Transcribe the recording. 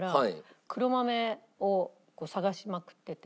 黒豆を探しまくってて。